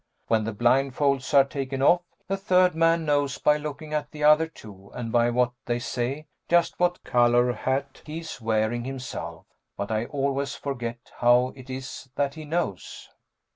When the blindfolds are taken off, the third man knows by looking at the other two and by what they say just what color hat he's wearing himself, but I always forget how it is that he knows.